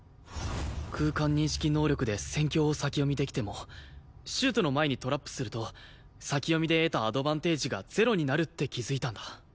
空間認識能力で戦況を先読みできてもシュートの前にトラップすると先読みで得たアドバンテージがゼロになるって気づいたんだ。